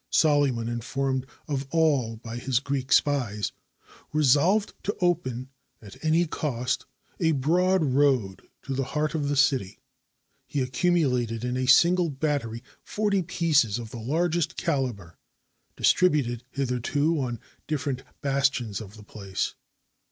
Solyman, informed of all by his Greek spies, resolved to open at any cost a broad road to the heart of the city. He accumulated in a single battery forty pieces of the largest caliber, distributed hitherto on different bas tions of the place.